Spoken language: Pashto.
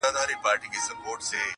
پر تسپو پر عبادت پر خیراتونو؛